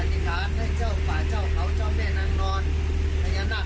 ก็ได้มาขอวอนเจ้าทัพเจ้าป่าเจ้าเขาไพยานา